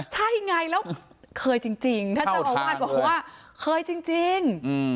ใช่ไงแล้วเคยจริงจริงท่านเจ้าอาวาสบอกว่าเคยจริงจริงอืม